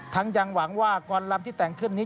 ยังหวังว่ากรลำที่แต่งขึ้นนี้